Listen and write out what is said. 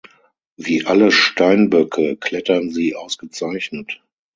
Wie alle Steinböcke klettern sie ausgezeichnet.